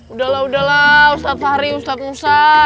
udah lah ustadz ari ustadz musa